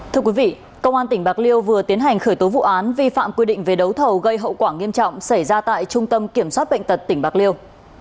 thưa quý vị công an tỉnh bạc liêu vừa tiến hành khởi tố vụ án vi phạm quy định về đấu thầu gây hậu quả nghiêm trọng xảy ra tại trung tâm kiểm soát bệnh tật tỉnh bạc liêu